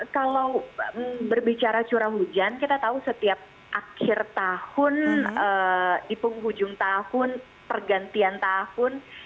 kalau berbicara curah hujan kita tahu setiap akhir tahun di penghujung tahun pergantian tahun